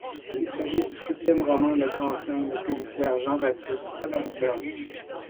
Il s'agit du septième roman mettant en scène le commissaire Jean-Baptiste Adamsberg.